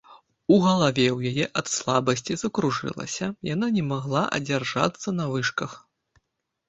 У галаве ў яе ад слабасці закружылася, яна не магла адзержацца на вышках.